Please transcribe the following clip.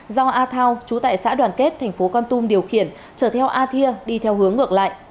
do a thao chú tại xã đoàn kết tp con tum điều khiển chở theo a thia đi theo hướng ngược lại